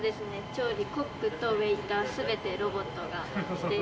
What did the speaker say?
調理コックとウェイター全てロボットがしている。